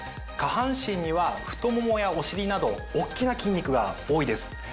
下半身には太ももやお尻など大っきな筋肉が多いです。